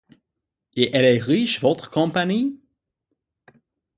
Et elle est riche, votre Compagnie?